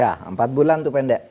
ya empat bulan itu pendek